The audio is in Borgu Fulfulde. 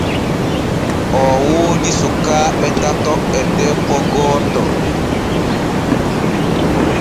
Oo woodi sukaaɓe tato e debbo gooto.